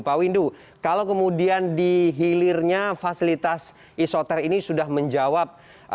pak windu kalau kemudian dihilirnya fasilitas isoter ini sudah menjawab